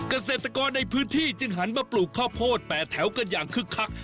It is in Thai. เกษตรกรในพื้นที่จึงหันมาปลูกข้าวโพด๘แถวกันอย่างคึกคัก